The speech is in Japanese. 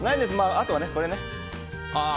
あとはこれね。